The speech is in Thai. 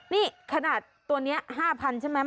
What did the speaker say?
นี่ขนาดตัวนี้๕๐๐๐ใช่ไหม